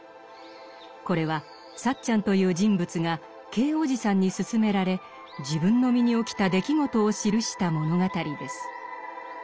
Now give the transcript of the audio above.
これはサッチャンという人物がＫ伯父さんに勧められ自分の身に起きた出来事を記した物語です。